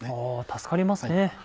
助かりますね。